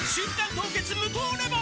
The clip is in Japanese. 凍結無糖レモン」